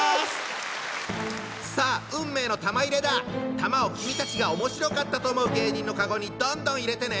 玉を君たちがおもしろかったと思う芸人のカゴにどんどん入れてね！